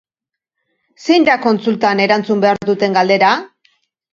Zein da kontsultan erantzun behar duten galdera?